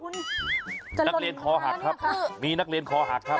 นักเรียนคอหักครับมีนักเรียนคอหักครับ